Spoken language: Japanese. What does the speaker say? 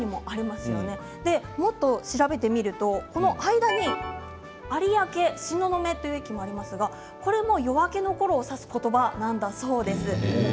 もっと調べてみるとこの間に有明や東雲という駅もありますがこれも夜明けのころを指す言葉なんだそうです。